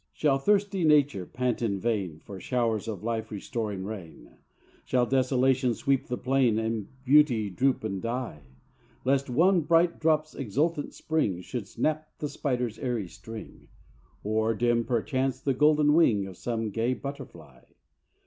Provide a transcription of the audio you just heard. Shall thirsty nature pant in vain For showers of life restoring rain; Shall desolation sweep the plain And beauty droop and die; Lest one bright drop's exultant spring Should snap the spider's airy string, Or dim, perchance, the golden wing Of some gay butterfly?